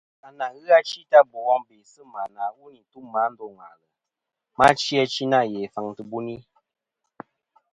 À nà ghɨ achi ta bò wom bê sɨ̂ mà na yi n-nî tum mà a ndô ŋwàʼlɨ, ma chi achi nâ ghè faŋ tɨ̀ buni.